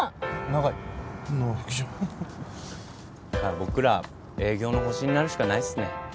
まあ僕ら営業の星になるしかないっすね。